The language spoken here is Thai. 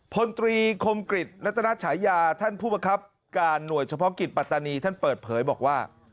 พลตรีคมกริจรัตนาฉายาท่านผู้บังคับการหน่วยเฉพาะกิจปัตตานีท่านเปิดเผยบอกว่า